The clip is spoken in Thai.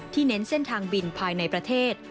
เน้นเส้นทางบินภายในประเทศ